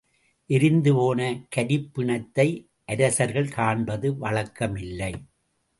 எரிந்துபோன கரிப்பிணத்தை அரசர்கள் காண்பது வழக்கமில்லை.